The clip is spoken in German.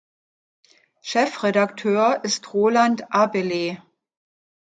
Chefredakteur ist Roland Abele.